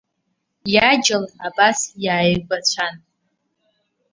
Иаџьал абас иааигәацәан.